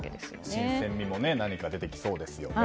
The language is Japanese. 新鮮味も何か出てきそうですよね。